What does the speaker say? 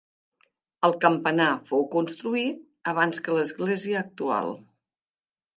El campanar fou construït abans que l'església actual.